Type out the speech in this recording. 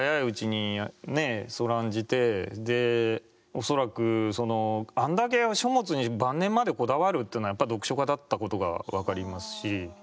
で恐らくそのあんだけ書物に晩年までこだわるっていうのはやっぱり読書家だったことが分かりますし。